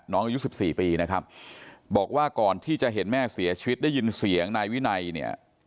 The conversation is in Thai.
อายุสิบสี่ปีนะครับบอกว่าก่อนที่จะเห็นแม่เสียชีวิตได้ยินเสียงนายวินัยเนี่ย